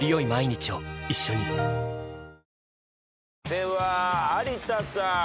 では有田さん。